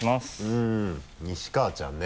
うん西川ちゃんね。